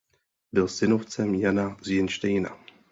Byl synovcem Jana z Jenštejna.